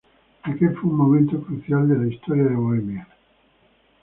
Aquel fue un momento crucial de la historia de Bohemia.